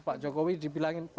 pak jokowi dibilangin